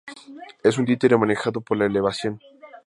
Es un títere manejado por elevación.